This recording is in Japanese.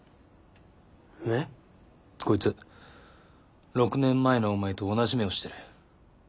こいつ６年前のお前と同じ目をしてる。